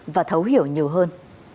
và thấu hiểu nhiều hơn